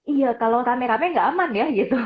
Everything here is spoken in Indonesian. iya kalau rame rame nggak aman ya gitu